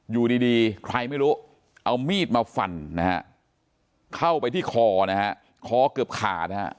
อยู่ดีใครไม่รู้เอามีดมาฟันนะฮะเข้าไปที่คอนะฮะคอเกือบขาดนะฮะ